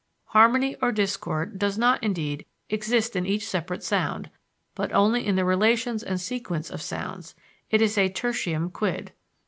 Harmony or discord does not, indeed, exist in each separate sound, but only in the relations and sequence of sounds it is a tertium quid.